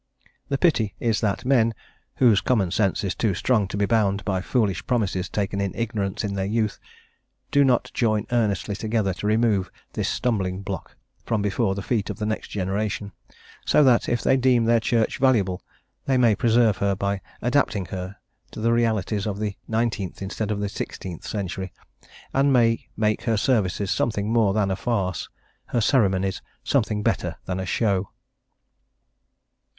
The pity is that men, whose common sense is too strong to be bound by foolish promises taken in ignorance in their youth, do not join earnestly together to remove this stumbling block from before the feet of the next generation, so that, if they deem their church valuable, they may preserve her by adapting her to the realities of the nineteenth instead of the sixteenth century, and may make her services something more than a farce, her ceremonies something better than a show.